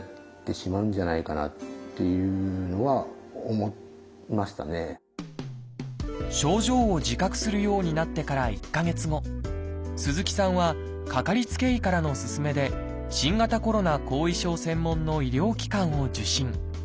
もしかしたら今後症状を自覚するようになってから１か月後鈴木さんはかかりつけ医からの勧めで新型コロナ後遺症専門の医療機関を受診。